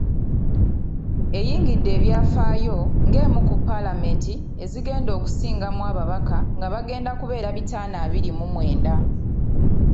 Eyingidde ebyafaayo ng’emu ku Paalamenti ezigenda okusingamu ababaka nga bagenda kubeera bitaano abiri mu mwenda..